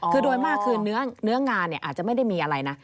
คือโดยมากคือเนื้องานอาจจะไม่ได้มีอะไรนะ